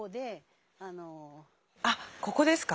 あここですか？